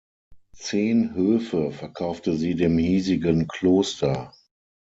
Zehn Höfe verkaufte sie dem hiesigen Kloster.